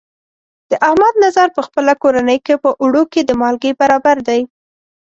د احمد نظر په خپله کورنۍ کې، په اوړو کې د مالګې برابر دی.